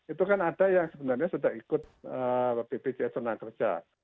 itu kan ada yang sebenarnya sudah ikut bpjs ternakerja